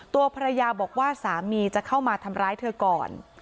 ตัวภรรยาบอกว่าสามีจะเข้ามาทำร้ายเธอก่อน